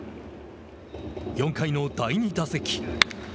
４回の第２打席。